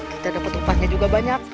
kita dapat upahnya juga banyak